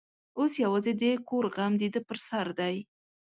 اوس یوازې د کور غم د ده پر سر دی.